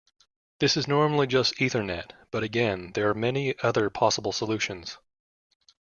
This is normally just Ethernet, but again, there are many other possible solutions.